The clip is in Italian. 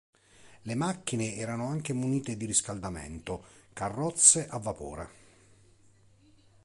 Le macchine erano anche munite di riscaldamento carrozze a vapore.